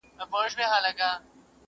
چي طوطي ګنجي ته وکتل ګویا سو!!